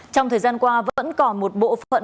trong thời gian qua vẫn còn một bộ phận